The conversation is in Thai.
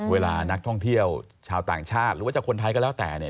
เวลานักท่องเที่ยวชาวต่างชาติหรือว่าจะคนไทยก็แล้วแต่เนี่ย